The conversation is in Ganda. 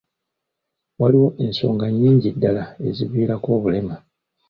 Waliwo ensonga nnyingi ddala eziviirako obulema.